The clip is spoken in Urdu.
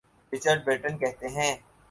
رچرڈ برٹن کہتے ہیں۔